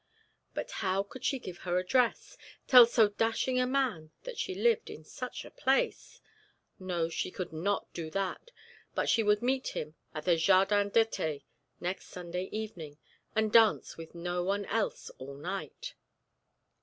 But how could she give her address tell so dashing a man that she lived in such a place? No, she could not do that, but she would meet him at the Jardin d'Eté next Sunday evening, and dance with no one else all night.